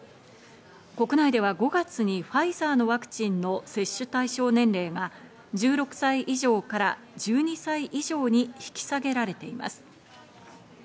国内では５月にファイザーのワクチンの接種対象年齢が１６歳以上から１２歳以上に引き下げられています。